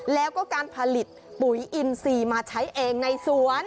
แล้วก็การผลิตปุ๋ยอินซีมาใช้เองในสวน